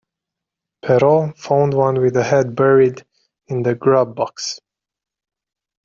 Perrault found one with head buried in the grub box.